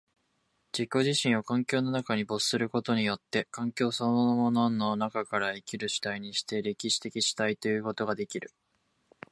自己自身を環境の中に没することによって、環境そのものの中から生きる主体にして、歴史的主体ということができる。